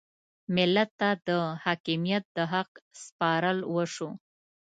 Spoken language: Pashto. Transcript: ملت ته د حاکمیت د حق سپارل وشو.